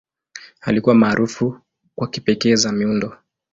Alikuwa maarufu kwa kipekee za miundo.